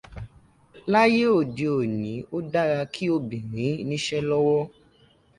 Láyé òde òní ó dára kí obìnrin níṣẹ́ lọ́wọ́.